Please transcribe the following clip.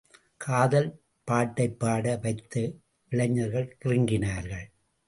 காதல் பாட்டைப் பாட வைத்து இளைஞர்கள் கிறங்கினார்கள்.